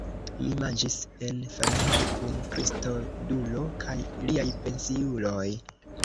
Mi manĝis en familio kun Kristodulo kaj liaj pensiuloj.